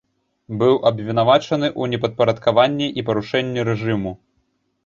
Быў абвінавачаны ў непадпарадкаванні і парушэнні рэжыму.